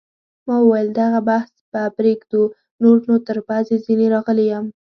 ما وویل: دغه بحث به پرېږدو، نور نو تر پزې ځیني راغلی یم.